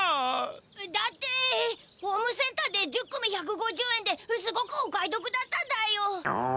だってホームセンターで１０組１５０円ですごくお買いどくだっただよ。